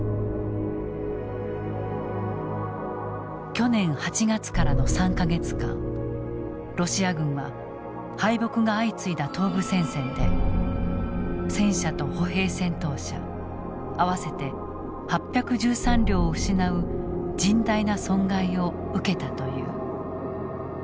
去年８月からの３か月間ロシア軍は敗北が相次いだ東部戦線で戦車と歩兵戦闘車合わせて８１３両を失う甚大な損害を受けたという。